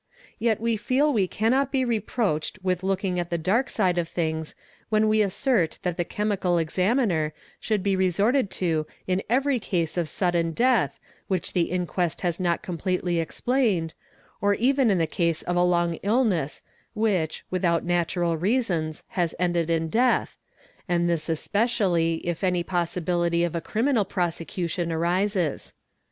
Yet we feel we cannot be reproached _ with looking at the dark side of things when we assert that the Chemical _ Examiner should be resorted to in every case of sudden death which the ' inquest has not completely explained, or even in the casé of a long illness which, without natural reasons, has ended in death, and this especially if ' any possibility of a criminal prosecution arises"®.